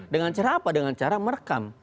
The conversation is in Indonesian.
dengan cara apa dengan cara merekam